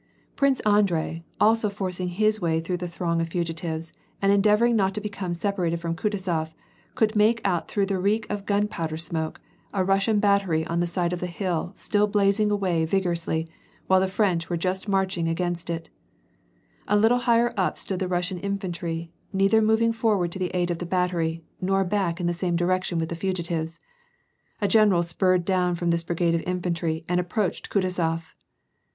Prince Andrei, also forcing his way through the throng of fugitives and endeavoring not to become separated from Kutuzof, could make out through the reek of gunpowder smoke, a Russian battery on the side of the hill, still blazing away vigorously, while the French were just marching against it A little higher up stood the Russian infantry, neither moving forward to the aid of the battery, nor back in the same direction with the fugitives. A general spurred down from this brigade of infantry, and approached Kutuzof.